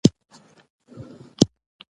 په ډاډه زړه مې مثانه تشه کړه.